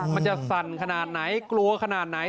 มันจะสั่นขนาดไหนกลัวขนาดไหน